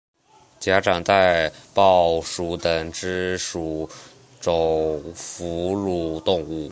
假掌袋貂属等之数种哺乳动物。